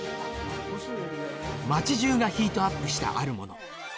町じゅうがヒートアップしたある物。